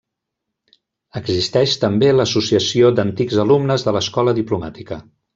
Existeix també l'Associació d'antics alumnes de l'Escola diplomàtica.